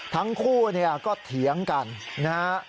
ทั้งคู่ก็เถียงกันนะฮะ